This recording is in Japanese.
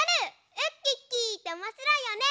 ウッキッキーっておもしろいよね。